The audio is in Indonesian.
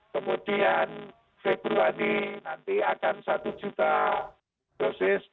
kemudian februari nanti akan satu juta dosis